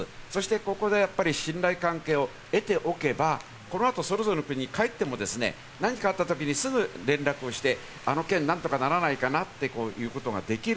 そこで信頼関係を得ておけば、この後、それぞれの国に帰っても、何かあった時にすぐ連絡をして、あの件、何とかならないかな？とかいうことができる。